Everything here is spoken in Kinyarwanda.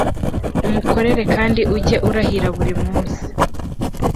umukorere kandi ujye urahira buri munsi